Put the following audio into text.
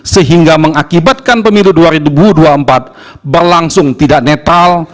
sehingga mengakibatkan pemilu dua ribu dua puluh empat berlangsung tidak netral